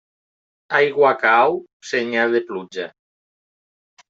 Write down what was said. Aigua cau? Senyal de pluja.